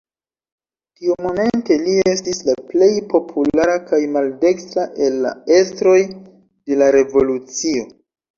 Tiumomente li estis la plej populara kaj maldekstra el la estroj de la revolucio.